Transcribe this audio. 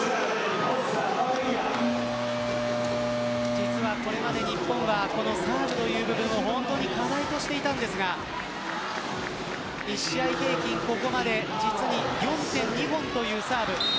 実はこれまで日本はサーブという部分を課題にしていましたが１試合平均、ここまで実に４２本というサーブ。